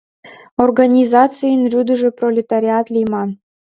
— Организацийын рӱдыжӧ пролетариат лийман.